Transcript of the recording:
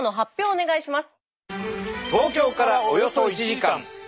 お願いします。